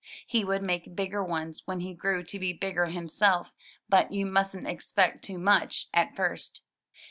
He would make bigger ones when he grew to be bigger himself, but you musn't expect too much at first.